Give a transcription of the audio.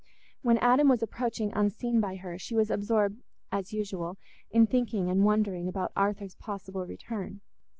When Adam was approaching unseen by her, she was absorbed as usual in thinking and wondering about Arthur's possible return.